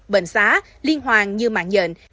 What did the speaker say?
bệnh xá liên hoàn như mạng nhện